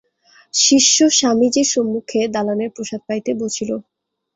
শিষ্য স্বামীজীর সম্মুখের দালানে প্রসাদ পাইতে বসিল।